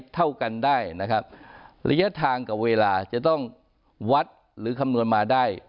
เท่ากันได้นะครับระยะทางกับเวลาจะต้องวัดหรือคำนวณมาได้